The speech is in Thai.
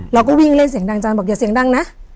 เราก็วิ่งเล่นเสียงดังอาจารย์บอกอย่าเสียงดังนะ